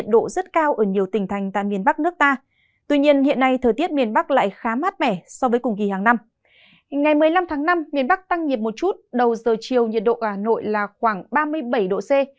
ngày một mươi năm tháng năm miền bắc tăng nhiệt một chút đầu giờ chiều nhiệt độ ở hà nội là khoảng ba mươi bảy độ c